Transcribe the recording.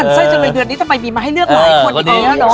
ปั่นไส้ใจหมันเดือนนี้ถ้ามีมาให้เลือกว่าไอคนแต่แกเลยเนาะ